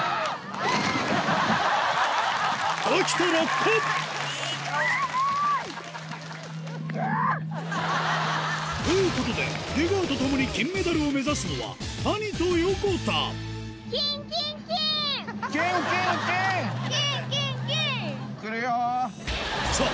あぁ！ということで出川とともに金メダルを目指すのは谷と横田さぁ